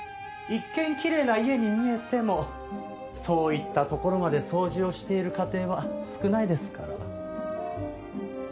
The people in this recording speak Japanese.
一見きれいな家に見えてもそういった所まで掃除をしている家庭は少ないですから。